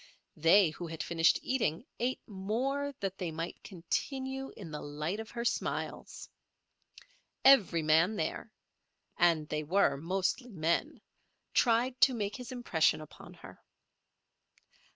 They who had finished eating ate more that they might continue in the light of her smiles. Every man there—and they were mostly men—tried to make his impression upon her.